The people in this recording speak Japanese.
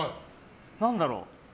何だろう。